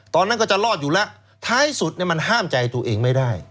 ตอนนั้นก็จะรอดอยู่แล้วท้ายสุดมันห้ามใจตัวเองไม่ได้